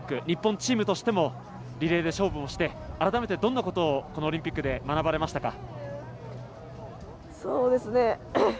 日本チームとしてもリレーで勝負をして改めてどんなことをこのオリンピックで学ばれましたか。